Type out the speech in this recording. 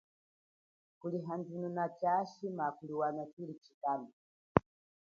Kulihandununa tshashi mba kuliwana tshikalu.